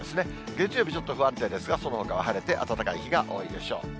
月曜日、ちょっと不安定ですが、そのほかは晴れて、暖かい日が多いでしょう。